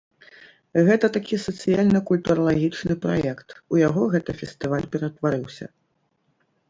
Гэта такі сацыяльна-культуралагічны праект, у яго гэта фестываль ператварыўся.